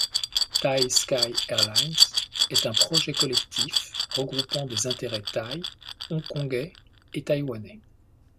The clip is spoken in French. Thai Sky Airlines est un projet collectif regroupant des intérêts thaïs, hongkongais et taïwanais.